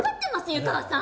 湯川さん。